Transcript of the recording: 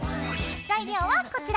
材料はこちら。